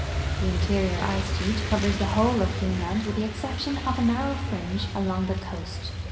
The interior ice sheet covei s the whole of Greenland with the exception of a narrow fringe along the coa.st.